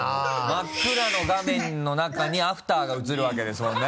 真っ暗の画面の中にアフターが映るわけですもんね。